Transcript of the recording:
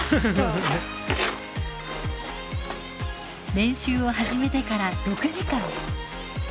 練習を始めてから６時間。